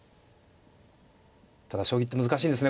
ただ将棋って難しいですね。